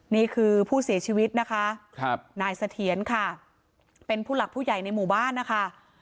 นี่คือผู้เสียชีวิตนะคะนายเสถียรค่ะเป็นผู้หลักผู้ใหญ่ในหมู่บ้านนะคะ